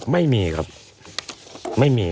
ไม่มีครับไม่มี